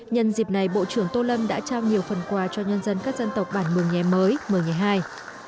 nhân dịp này bộ trưởng tô lâm đã trao nhiều phần quà cho nhân dân các dân tộc bản mừng nhé mới mừng nhé hai